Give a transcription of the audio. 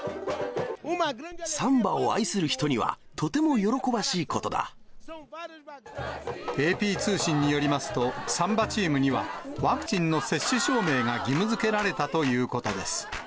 サンバを愛する人にはとてもＡＰ通信によりますと、サンバチームには、ワクチンの接種証明が義務づけられたということです。